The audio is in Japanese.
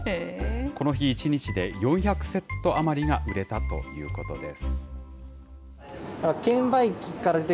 この日一日で、４００セット余りが売れたということです。